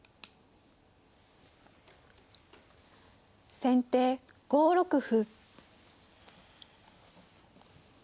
先手５六歩。